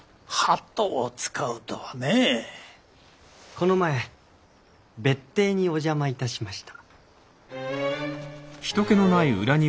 この前別邸にお邪魔いたしました。